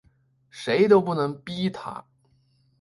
谁都不能逼他